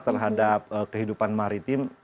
terhadap kehidupan maritim